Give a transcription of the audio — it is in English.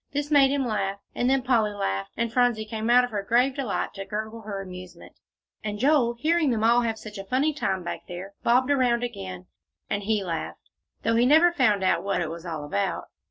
This made him laugh, and then Polly laughed, and Phronsie came out of her grave delight, to gurgle her amusement; and Joel, hearing them all have such a funny time back there, bobbed around again, and he laughed, though he never found out what it was all about.